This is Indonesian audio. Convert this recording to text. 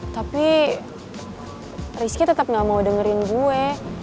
tapi rizky tetap gak mau dengerin gue